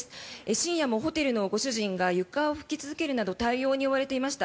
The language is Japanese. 深夜もホテルのご主人が床を拭き続けるなど対応に追われていました。